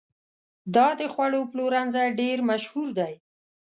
دا د خوړو پلورنځی ډېر مشهور دی.